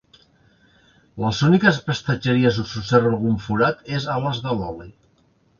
Les úniques prestatgeries on s’observa algun forat és a les de l’oli.